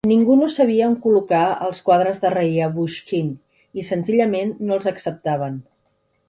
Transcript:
Ningú no sabia on col·locar els quadres de Ryabushkin i senzillament no els acceptaven.